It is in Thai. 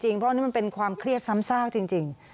เพราะอันนี้มันเป็นความเครียดซ้ำซากจริง